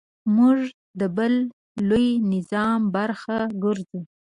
موږ د بل لوی نظم برخه ګرځو.